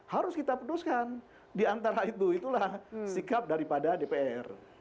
harus kita putuskan diantara itu itulah sikap daripada dpr